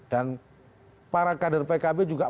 dan para kader pkb juga